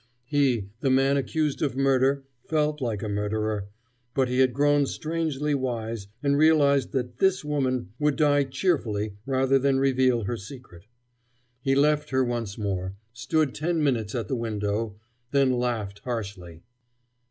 He, the man accused of murder, felt like a murderer, but he had grown strangely wise, and realized that this woman would die cheerfully rather than reveal her secret. He left her once more, stood ten minutes at the window then laughed harshly.